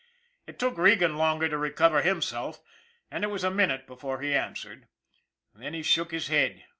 It took Regan longer to recover himself, and it was a minute before he answered. Then he shook his head.